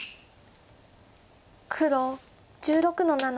黒１６の七。